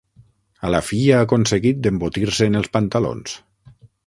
A la fi ha aconseguit d'embotir-se en els pantalons!